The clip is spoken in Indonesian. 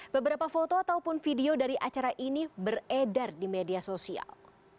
beberapa foto ataupun video dari acara ini beredar di media sosial